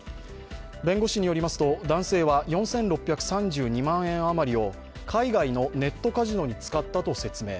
弁護士によりますと男性は４６３２万円あまりを海外のネットカジノに使ったと説明。